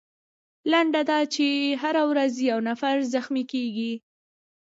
لنډه دا چې هره ورځ یو نفر زخمي کیږي.